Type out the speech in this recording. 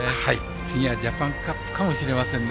次はジャパンカップかもしれませんね。